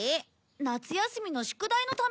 夏休みの宿題のためなんだ。